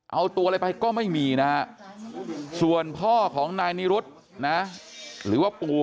เอาตัวอะไรไปก็ไม่มีนะฮะส่วนพ่อของนายนิรุธนะหรือว่าปู่